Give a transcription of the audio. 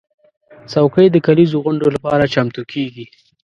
چوکۍ د کليزو غونډو لپاره چمتو کېږي.